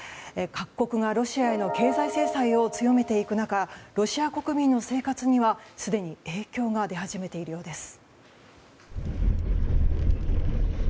各国がロシアへの経済制裁を強めていく中ロシア国民の生活には、すでに影響が出始めているようです。